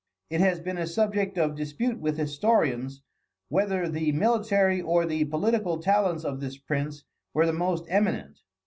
It has been a subject of dispute with historians, whether the military or the political talents of this prince were the most eminent.